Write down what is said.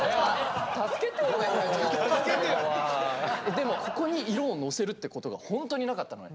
でもここに色をのせるってことがホントになかったので。